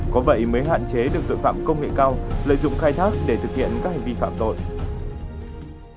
có vậy mới hạn chế được tội phạm công nghệ cao lợi dụng khai thác để thực hiện các hành vi phạm tội